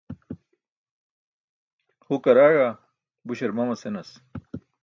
Hukar aẏa, buśar mama senas.